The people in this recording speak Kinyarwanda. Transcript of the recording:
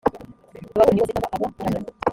ababuranyi bose cyangwa ababunganira